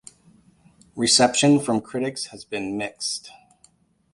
Reception from critics has been mixed.